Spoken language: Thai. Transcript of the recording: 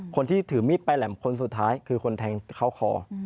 คนที่ถือมีดปลายแหลมคนสุดท้ายคือคนแทงเข้าคอ